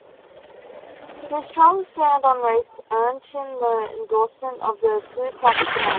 His strong stand on race earned him the endorsement of the Ku Klux Klan.